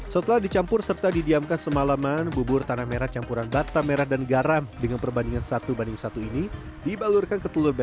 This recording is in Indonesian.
setelah dicampur serta didiamkan semalaman bubur tanah merah campuran batam merah dan garam dengan perbandingan satu banding satu ini dibalurkan ke telur bebek